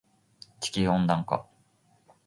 地球温暖化